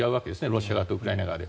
ロシア側とウクライナ側で。